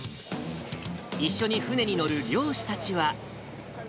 一緒に船に乗る漁師たちは。